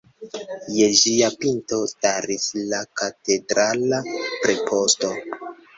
Je ĝia pinto staris la katedrala preposto.